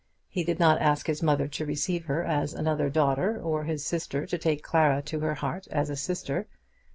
He did not ask his mother to receive her as another daughter, or his sister to take his Clara to her heart as a sister.